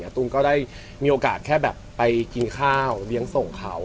ตูมก็ได้มีโอกาสแค่แบบไปกินข้าวเลี้ยงส่งเขา